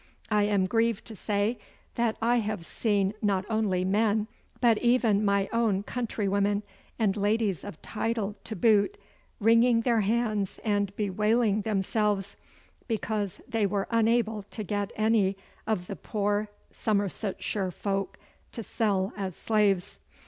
I am grieved to say that I have seen not only men, but even my own countrywomen, and ladies of title to boot, wringing their hands and bewailing themselves because they were unable to get any of the poor Somersetshire folk to sell as slaves.